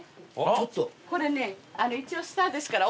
これ一応スターですから。